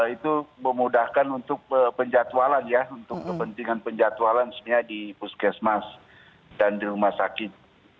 itu memudahkan untuk penjatualan ya untuk kepentingan penjatualan sebenarnya di puskesmas dan di rumah sakit